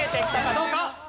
どうか？